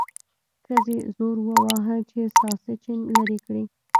ښځې زور وواهه چې ساسچن لرې کړي.